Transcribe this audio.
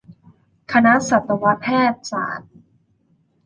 คณะสัตวแพทย์ศาสตร์